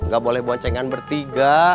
nggak boleh boncengan bertiga